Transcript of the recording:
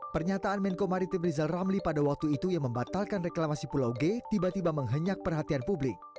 pernyataan menko maritim rizal ramli pada waktu itu yang membatalkan reklamasi pulau g tiba tiba menghenyak perhatian publik